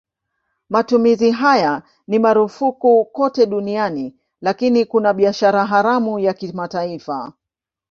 Matumizi haya ni marufuku kote duniani lakini kuna biashara haramu ya kimataifa.